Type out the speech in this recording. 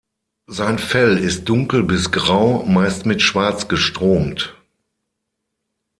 Sein Fell ist dunkel bis grau, meist mit Schwarz gestromt.